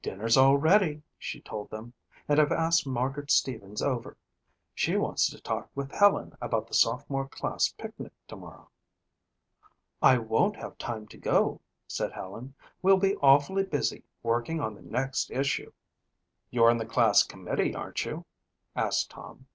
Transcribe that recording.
"Dinner's all ready," she told them, "and I've asked Margaret Stevens over. She wants to talk with Helen about the sophomore class picnic tomorrow." "I won't have time to go," said Helen. "We'll be awfully busy working on the next issue." "You're on the class committee, aren't you?" asked Tom.